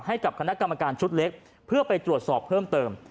ให้กับคณะกรรมการชุดเล็กเพื่อไปตรวจสอบเพิ่มเติม